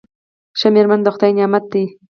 ښه میرمن د خدای نعمت دی.